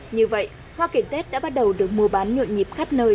như vậy hoa kiển tết đã bắt đầu được mua bán nhuộn nhịp khắp nơi